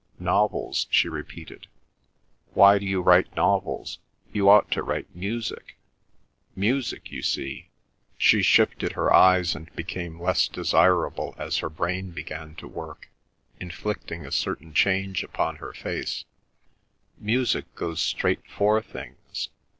"Novels," she repeated. "Why do you write novels? You ought to write music. Music, you see"—she shifted her eyes, and became less desirable as her brain began to work, inflicting a certain change upon her face—"music goes straight for things.